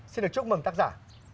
xin được chúc mừng tác giả